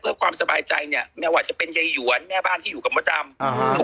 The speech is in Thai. เพื่อความสบายใจเนี่ยไม่ว่าจะเป็นยายหวนแม่บ้านที่อยู่กับมดดำ